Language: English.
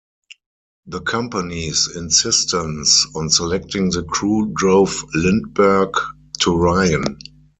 The company's insistence on selecting the crew drove Lindbergh to Ryan.